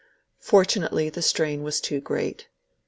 Fortunately the strain was too great.